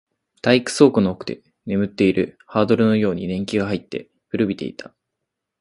体育倉庫の奥で眠っているハードルのように年季が入って、古びていた